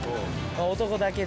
男だけで。